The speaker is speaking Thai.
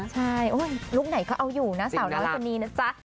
ใช่ลูกไหนเขาเอาอยู่นะสาวน้องกระต่านี้นะจ๊ะ